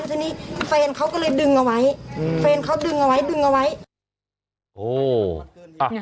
ทีนี้แฟนเขาก็เลยดึงเอาไว้แฟนเขาดึงเอาไว้ดึงเอาไว้